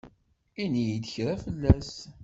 Ini-yi-d kra fell-as.